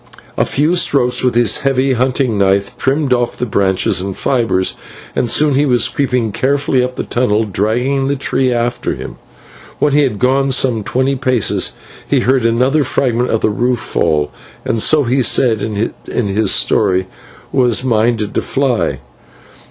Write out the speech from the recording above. A few strokes with his heavy hunting knife trimmed off the branches and fibres, and soon he was creeping carefully up the tunnel, dragging the trunk after him. When he had gone some twenty paces he heard another fragment of the roof fall, and, so he said in his story, was minded to fly.